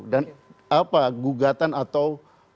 dan gugatan atau